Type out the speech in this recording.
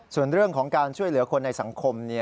ส่วนเรื่องของการช่วยเหลือคนในสังคม